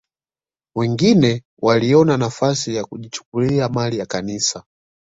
Wengine waliona nafasi ya kujichukulia mali ya Kanisa